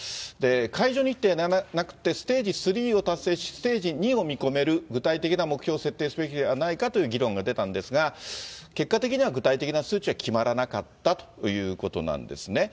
解除日程はなくて、ステージ３を達成し、ステージ２を見込める具体的な目標を設定すべきではないかと出たんですが、結果的には具体的な数値は決まらなかったということなんですね。